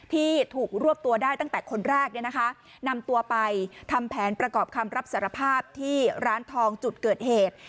ที่ถูกรวบตัวได้ตั้งแต่คนแรกเนี่ยนะคะนำตัวไปทำแผนประกอบคำรับสารภาพที่ร้านทองจุดเกิดเหตุ